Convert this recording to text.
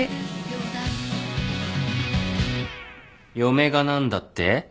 ・嫁が何だって？